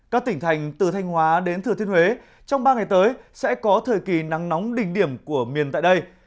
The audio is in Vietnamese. các tỉnh thành từ thanh hóa đến thừa thiên huế trong ba ngày tới sẽ có thời kỳ nắng nóng đỉnh điểm của miền tại đây